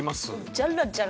ジャラジャラ。